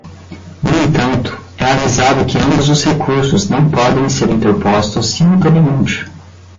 No entanto, é avisado que ambos os recursos não podem ser interpostos simultaneamente.